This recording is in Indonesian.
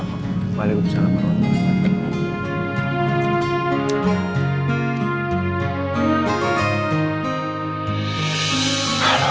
assalamualaikum warahmatullahi wabarakatuh